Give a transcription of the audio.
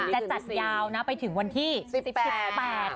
จะจัดยาวไปถึงวันที่๑๘นะคะ